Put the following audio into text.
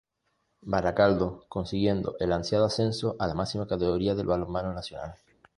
Barakaldo, consiguiendo el ansiado ascenso a la máxima categoría del balonmano nacional.